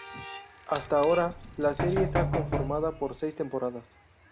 Hasta ahora la serie está conformada por seis temporadas.